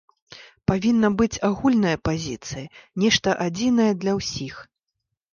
Павінна быць агульная пазіцыя, нешта адзінае для ўсіх.